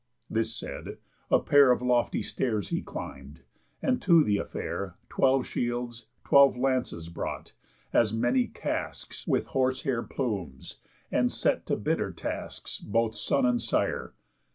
This said, a pair Of lofty stairs he climb'd, and to th' affair Twelve shields, twelve lances brought, as many casques With horsehair plumes; and set to bitter tasks Both son and sire.